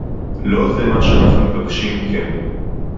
לא זה מה שאנחנו מבקשים מכם